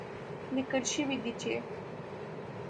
ليکل شوي دي چې